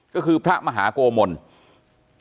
ก็คือพระมหากโกมนศ์